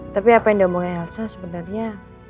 tapi apa yang dia omongin elsa sebenarnya